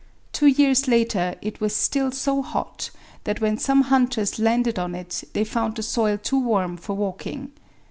Two years later it was still so hot that when some hunters landed on it they found the soil too warm for walking.